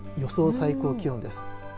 最高気温です。